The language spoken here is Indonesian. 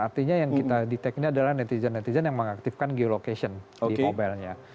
artinya yang kita detect ini adalah netizen netizen yang mengaktifkan geolocation di mobile nya